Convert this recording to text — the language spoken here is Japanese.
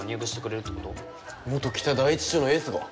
元北第一中のエースが？